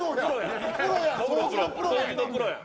プロやん！